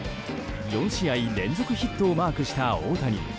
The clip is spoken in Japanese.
４試合連続ヒットをマークした大谷。